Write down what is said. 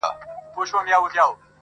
زړونه صبر فیصلو د شنه اسمان ته-